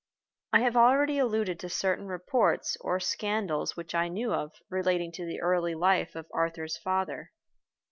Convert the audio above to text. I have already alluded to certain reports or scandals which I knew of relating to the early life of Arthur's father.